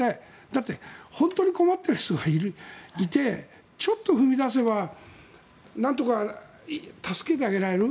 だって本当に困っている人がいてちょっと踏み出せばなんとか助けてあげられる。